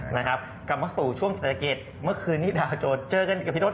นะครับกลับมาสู่ช่วงเศรษฐกรรมเมื่อคืนนี้ดาวโจรเจอกันกับพี่โทษ